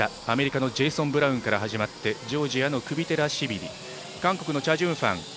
アメリカのジェイソン・ブラウンから始まりジョージアのクビテラシビリ韓国のチャ・ジュンファン